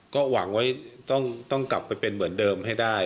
ก็หวังไว้ต้องกลับไปเป็นเหมือนเดิมให้ได้